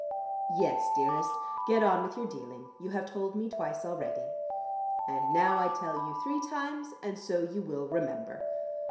"Yes, dearest, get on with your dealing. You have told me twice already." "And now I tell you three times, and so you will remember.